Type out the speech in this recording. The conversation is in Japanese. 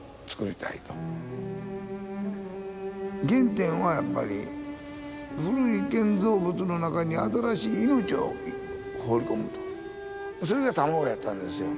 原点はやっぱり古い建造物の中に新しい命を放り込むとそれが卵やったんですよ。